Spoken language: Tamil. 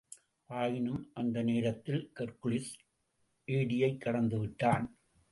ஆயினும், அந்த நேரத்தில், ஹெர்குலிஸ் ஏரியைக் கடந்து விட்டான்.